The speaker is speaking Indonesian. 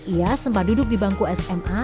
ia sempat duduk di bangku sma